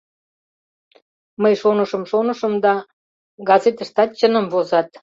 Мый шонышым-шонышым да — газетыштат чыным возат.